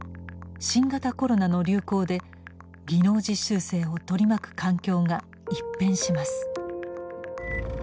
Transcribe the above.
新型コロナの流行で技能実習生を取り巻く環境が一変します。